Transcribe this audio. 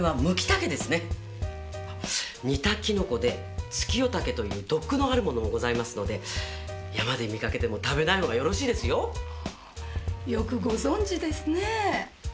似たキノコでツキヨタケという毒のあるものもございますので山で見かけても食べないほうがよろしいですよよくご存じですね